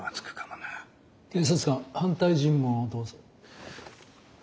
検察官反対尋問をどうぞ。